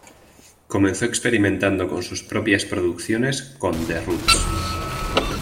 Comenzó experimentando con sus propias producciones con The Roots.